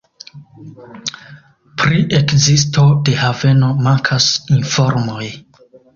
Pri ekzisto de haveno mankas informoj.